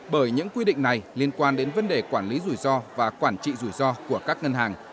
bởi những quy định này liên quan đến vấn đề quản lý rủi ro và quản trị rủi ro của các ngân hàng